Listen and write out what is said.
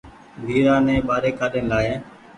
ويرآ ني ٻآري ڪآڏين لآئي